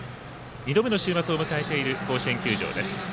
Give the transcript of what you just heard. ２度目の週末を迎えている甲子園球場です。